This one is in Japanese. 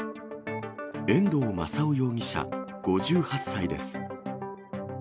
遠藤正雄容疑者５８歳です。